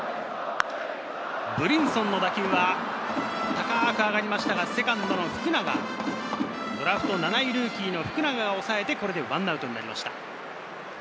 ブリンソンの打球は高く上がりましたが、セカンド・福永、ドラフト７位ルーキーの福永がおさえて１アウトになりました。